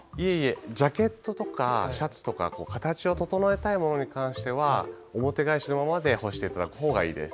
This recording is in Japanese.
ジャケットとかシャツとか形を整えたいものに関しては表返しのままで干していただくほうがいいです。